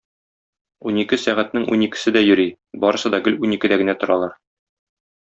Унике сәгатьнең уникесе дә йөри, барысы да гел уникедә генә торалар.